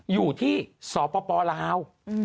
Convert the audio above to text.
อยู่ที่สปลาว